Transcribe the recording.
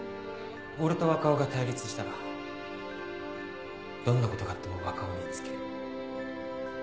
俺と若尾が対立したらどんな事があっても若尾につけ。